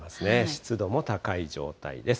湿度も高い状態です。